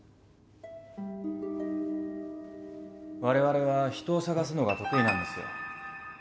我々は人を捜すのが得意なんですよ。